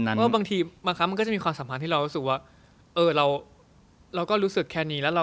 ใช่ว่าบางทีมันก็จะมีความสัมพันธ์ที่เรารู้สึกว่าเราก็รู้สึกแค่นี้